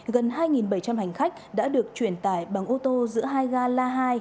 gần hai bảy trăm linh hành khách đã được truyền tải bằng ô tô giữa hai ga la hai